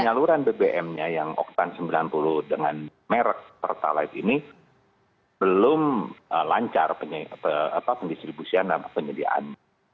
penyaluran bbm nya yang oktan sembilan puluh dengan merek pertalite ini belum lancar pendistribusian dan penyediaan